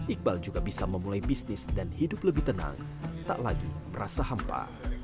iqbal juga bisa memulai bisnis dan hidup lebih tenang tak lagi merasa hampa